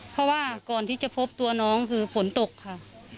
เพราะว่าก่อนที่จะพบตัวน้องคือฝนตกค่ะ